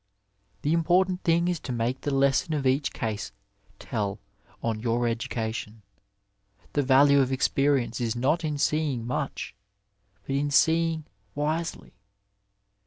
The important thing is to make the lesson of each case tell on your education. The value of experience is not in seeing much, but in seeing wisely.